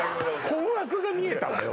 困惑が見えたのよ